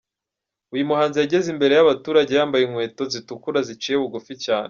Uyu muhanzi yageze imbere y’abaturage yambaye inkweto zitukura ziciye bugufi cyane.